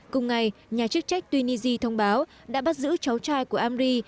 cùng ngày nhà chức trách tunisia thông báo đã bắt giữ cháu trai của amri